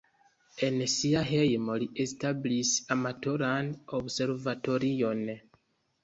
En sia hejmo li establis amatoran observatorion.